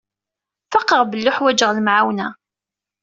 Faqeɣ belli uḥwaǧeɣ lemɛawna.